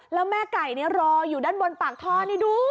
แล้วแม่ไก่รออยู่ด้านบนปากท่อนี่ดู